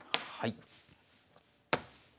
はい。